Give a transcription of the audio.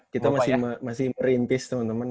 kita masih merintis teman teman